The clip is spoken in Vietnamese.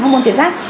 hormôn tuyệt giác